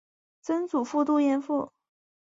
曾祖父杜彦父。